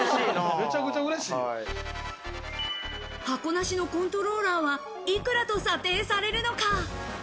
箱なしのコントローラーは幾らと査定されるのか？